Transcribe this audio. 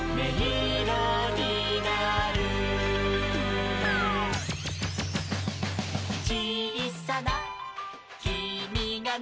イロになる」「ちいさなきみがね」